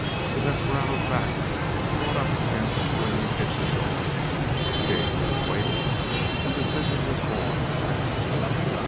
The desperado's back brought up against the swinging kitchen door; it gave to his weight and decision was born of that instant.